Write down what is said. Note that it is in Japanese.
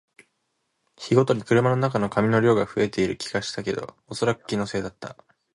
日ごとに車の中の紙の量が増えている気もしたけど、おそらく気のせいだった